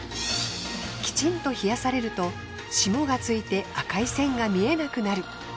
きちんと冷やされると霜がついて赤い線が見えなくなる。